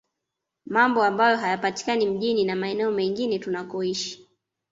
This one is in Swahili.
Mambo ambayo hayapatikani mjini na maeneo mengine tunakoishi